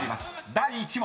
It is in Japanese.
第１問］